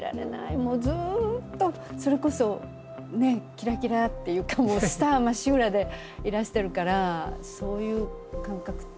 もうずっとそれこそねキラキラっていうかもうスターまっしぐらでいらしてるからそういう感覚って。